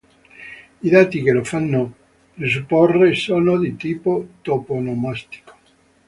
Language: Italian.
I dati che lo fanno presupporre sono di tipo toponomastico.